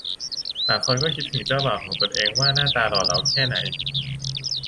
ต่างคนก็คิดถึงเจ้าบ่าวของตนเองว่าหน้าตาหล่อเหลาแค่ไหน